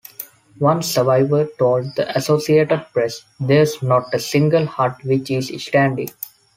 One survivor told the Associated Press: There's not a single hut which is standing.